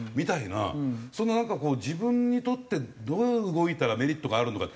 なんかこう自分にとってどう動いたらメリットがあるのか。